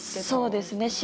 そうですね。